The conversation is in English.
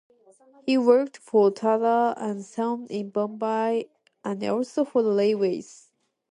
He worked for Tata and Sons in Bombay and also for the Railways.